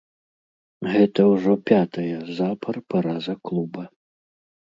Гэта ўжо пятая запар параза клуба.